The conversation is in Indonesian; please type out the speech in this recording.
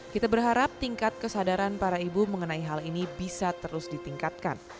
kita berharap tingkat kesadaran para ibu mengenai hal ini bisa terus ditingkatkan